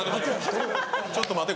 「ちょっと待て」。